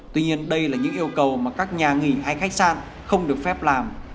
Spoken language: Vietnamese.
tuy nhiên đây là những yêu cầu mà các nhà nghỉ hay khách sạn không được phép làm